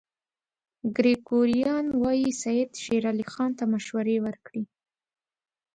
ګریګوریان وايي سید شېر علي خان ته مشورې ورکړې.